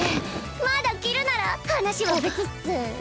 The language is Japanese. まだ着るなら話は別っス。